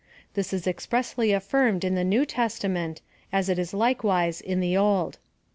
This is expressly affirmed in the New Testament, as it is likewise in the Old.